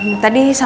terima kasih reina